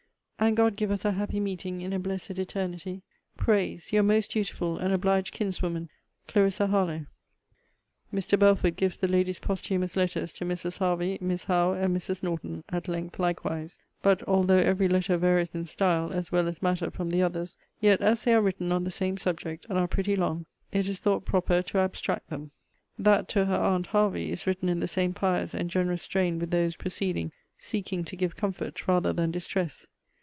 And God give us a happy meeting in a blessed eternity; prays Your most dutiful and obliged kinswoman, CLARISSA HARLOWE. Mr. Belford gives the Lady's posthumous letters to Mrs. Hervey, Miss Howe, and Mrs. Norton, at length likewise: but, although every letter varies in style as well as matter from the others; yet, as they are written on the same subject, and are pretty long, it is thought proper to abstract them. That to her aunt Hervey is written in the same pious and generous strain with those preceding, seeking to give comfort rather than distress.